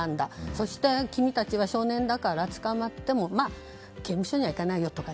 そして君たちは少年だから捕まっても刑務所には行かないよとか